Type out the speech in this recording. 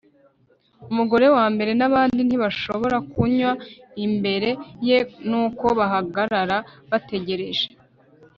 umugore wa mbere nabandi ntibashobora kunywa imbere ye, nuko bahagarara bategereje